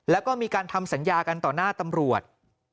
แล้วก็มีการทำสัญญากันต่อหน้าตำรวจ